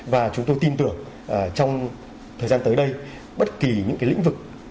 và chúng tôi tin tưởng trong thời gian tới đây bất kỳ những cái lĩnh vực